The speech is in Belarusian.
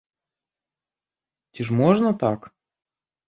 Ці ж можна так?